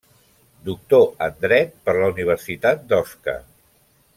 Doctor en Dret per la Universitat d'Osca.